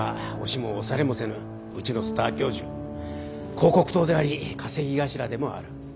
広告塔であり稼ぎ頭でもある。